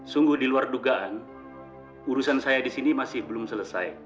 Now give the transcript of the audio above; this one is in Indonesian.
sungguh di luar dugaan urusan saya di sini masih belum selesai